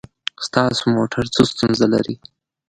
ستاسو موټر څه ستونزه لري؟